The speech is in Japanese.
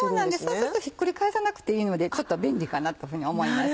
そうするとひっくり返さなくていいのでちょっと便利かなと思います。